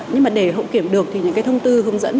nhưng mà để hậu kiểm được thì những cái thông tư hướng dẫn